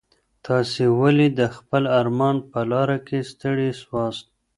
تاسي ولي د خپل ارمان په لاره کي ستړي سواست؟